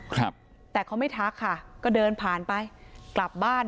ครับแต่เขาไม่ทักค่ะก็เดินผ่านไปกลับบ้าน